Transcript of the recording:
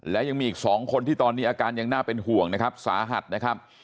และยังมีอีก๒คนที่ตอนนี้อาการยังน่าเป็นห่วงนะครับสาหัสนะครับ